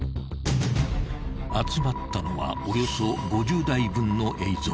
［集まったのはおよそ５０台分の映像］